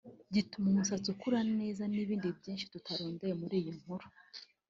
gituma umusatsi ukura neza n’ibindi byinshi tutarondoye muri iyi nkuru